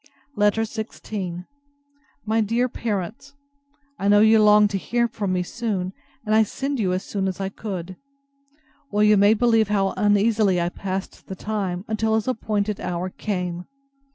LETTER XVI MY DEAR PARENTS, I know you longed to hear from me soon; and I send you as soon as I could. Well, you may believe how uneasily I passed the time, till his appointed hour came.